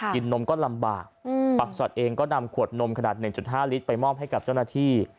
นมก็ลำบากประสัตว์เองก็นำขวดนมขนาด๑๕ลิตรไปมอบให้กับเจ้าหน้าที่